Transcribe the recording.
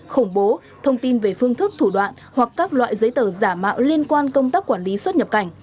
khủng bố thông tin về phương thức thủ đoạn hoặc các loại giấy tờ giả mạo liên quan công tác quản lý xuất nhập cảnh